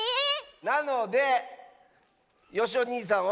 なのでよしおにいさんは。